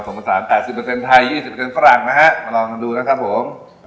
ผสาน๘๐ไทย๒๐ฝรั่งนะฮะมาลองกันดูนะครับผม